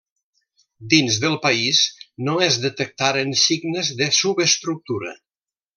Dins del país, no es detectaren signes de subestructura.